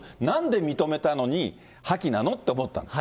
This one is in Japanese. なんで認めたのに破棄なのって思った。